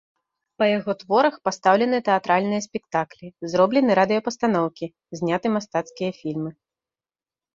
Па яго творах пастаўлены тэатральныя спектаклі, зроблены радыёпастаноўкі, зняты мастацкія фільмы.